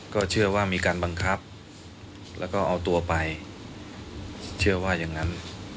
ก็เชื่อว่ามีการบังคับแล้วก็เอาตัวไปเชื่อว่าอย่างนั้น